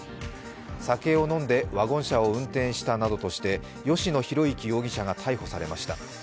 酒を飲んでワゴン車を運転したなどとして吉野浩之容疑者が逮捕されました。